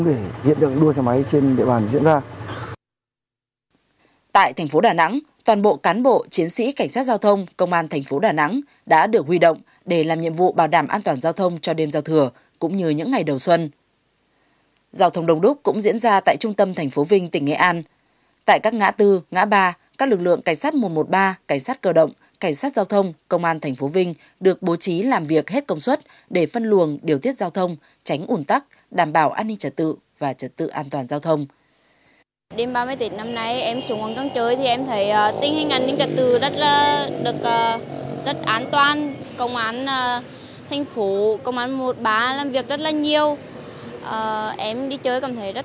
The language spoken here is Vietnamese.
đêm ba mươi tỉnh năm nay em xuống quảng trang chơi thì em thấy tình hình an ninh trật tự rất là được rất an toàn công an tp công an một trăm một mươi ba làm việc rất là nhiều em đi chơi cảm thấy rất thoải mái rất vui